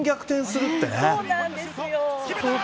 そうなんですよ。